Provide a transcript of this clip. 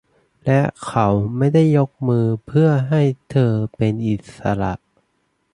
และเขาไม่ได้ยกมือเพื่อให้เธอเป็นอิสระ